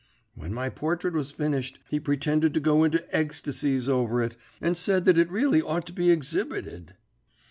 "When my portrait was finished he pretended to go into egstacies over it, and said that it really ought to be egshibited.